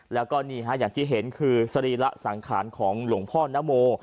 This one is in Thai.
แล้วก็นี่ฮะอย่างที่เห็นคือสรีระสังขารของหลวงพ่อนโม